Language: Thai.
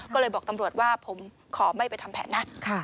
ก็เลยบอกตำรวจว่าผมขอไม่ไปทำแผนนะ